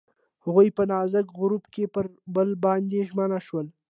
هغوی په نازک غروب کې پر بل باندې ژمن شول.